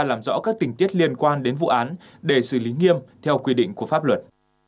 làm rõ các tình tiết liên quan đến vụ án để xử lý nghiêm theo quy định của pháp luật